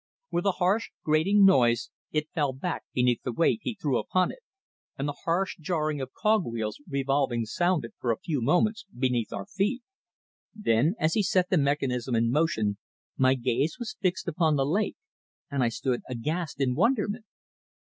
With a harsh, grating noise it fell back beneath the weight he threw upon it, and the harsh jarring of cog wheels revolving sounded for a few moments beneath our feet. Then, as he set the mechanism in motion, my gaze was fixed upon the lake and I stood aghast in wonderment.